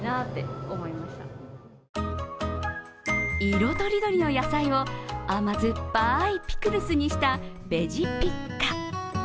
色とりどりの野菜を甘酸っぱいピクルスにしたベジピッカ。